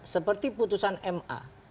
seperti putusan ma